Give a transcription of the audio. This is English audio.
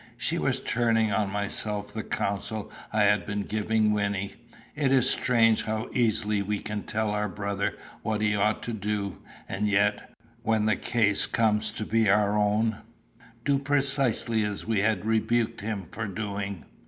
She was turning on myself the counsel I had been giving Wynnie. It is strange how easily we can tell our brother what he ought to do, and yet, when the case comes to be our own, do precisely as we had rebuked him for doing.